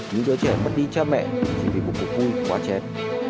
những đứa trẻ mất đi cha mẹ chỉ vì một cuộc vui quá chén